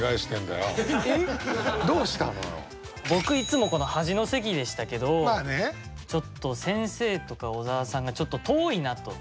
僕いつもこの端の席でしたけど先生とか小沢さんがちょっと遠いなと。